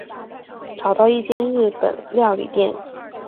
找到一间日本料理店